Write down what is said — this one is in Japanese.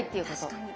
確かに。